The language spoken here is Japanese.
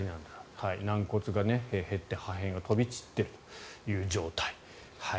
軟骨が減って破片が飛び散っている状態。